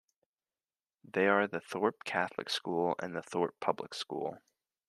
They are the Thorp Catholic School and the Thorp Public School.